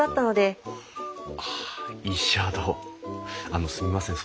あのすみません